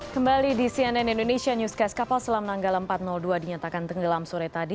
kembali di cnn indonesia newscast kapal selam nanggala empat ratus dua dinyatakan tenggelam sore tadi